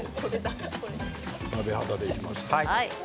鍋肌で入れました。